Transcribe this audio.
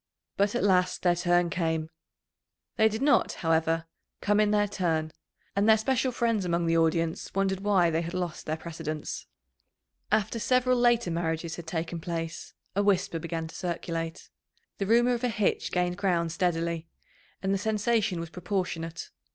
But at last their turn came. They did not, however, come in their turn, and their special friends among the audience wondered why they had lost their precedence. After several later marriages had taken place, a whisper began to circulate. The rumour of a hitch gained ground steadily, and the sensation was proportionate.